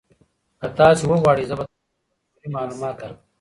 که تاسي وغواړئ زه به تاسو ته کلتوري معلومات درکړم.